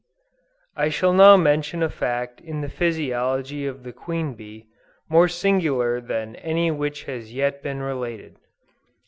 I shall now mention a fact in the physiology of the Queen Bee, more singular than any which has yet been related.